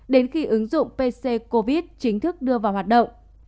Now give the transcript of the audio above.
đến khi ứng dụng pc covid chính thức đưa vào hoạt động